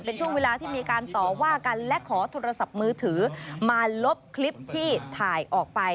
เป็นช่วงเวลาที่มีการต่อว่ากันและขอโทรศัพท์มือถือมาลบคลิปที่ถ่ายออกไป